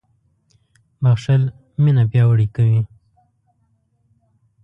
• بښل مینه پیاوړې کوي.